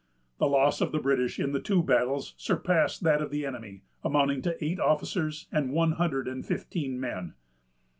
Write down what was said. The loss of the British in the two battles surpassed that of the enemy, amounting to eight officers and one hundred and fifteen men.